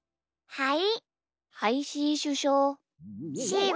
はい！